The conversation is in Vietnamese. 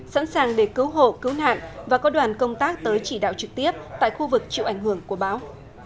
sẵn sàng để cứu hộ cứu nạn và có đoàn công tác tới chỉ đạo trực tiếp tại khu vực chịu ảnh hưởng của bão